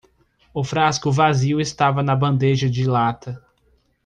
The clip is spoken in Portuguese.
O frasco vazio estava na bandeja de lata.